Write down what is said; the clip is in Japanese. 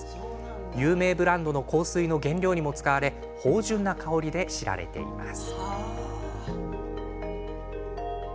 有名ブランドの香水の原料にも使われ芳じゅんな香りで知られています。